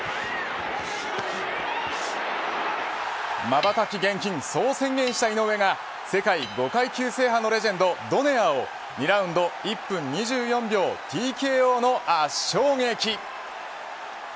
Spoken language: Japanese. まばたき厳禁そう宣言した井上が世界５階級制覇のレジェンドドネアを２ラウンド１分２４秒ＴＫＯの圧勝劇。